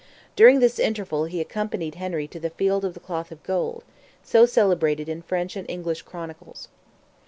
During this interval he accompanied Henry to "the field of the cloth of Gold," so celebrated in French and English chronicles.